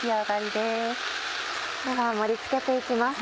では盛り付けて行きます。